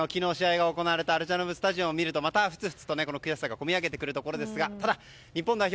アルジャヌーブ・スタジアムを見ると、またふつふつと悔しさが込み上げてくるところですがただ、日本代表